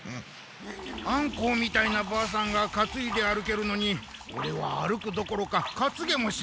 アンコウみたいなばあさんがかついで歩けるのにオレは歩くどころかかつげもしなかった。